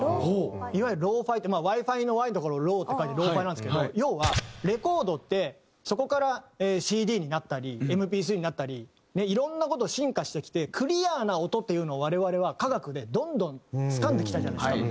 いわゆるＬｏ−ＦｉってまあＷｉ−Ｆｉの「Ｗｉ」のところを「Ｌｏ」って書いてＬｏ−Ｆｉなんですけども要はレコードってそこからＣＤになったりＭＰ３になったりいろんな事を進化してきてクリアな音というのを我々は科学でどんどんつかんできたじゃないですか。